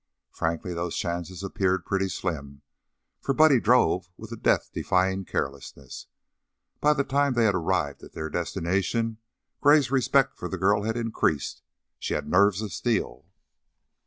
Frankly, those chances appeared pretty slim, for Buddy drove with a death defying carelessness. By the time they had arrived at their destination, Gray's respect for the girl had increased; she had nerves of steel.